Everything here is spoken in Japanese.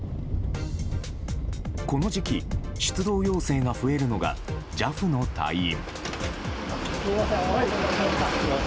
この時期、出動要請が増えるのがＪＡＦの隊員。